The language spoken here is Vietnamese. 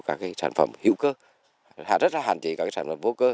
rất là nhiều các sản phẩm hữu cơ rất là hạn chế các sản phẩm vô cơ